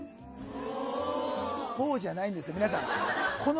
おおじゃないんですよ、皆さん。